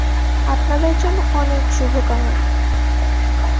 আপনাদের জন্য অনেক শুভকামনা।